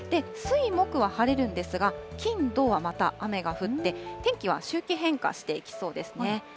水、木は晴れるんですが、金、土はまた雨が降って、天気は周期変化していきそうですね。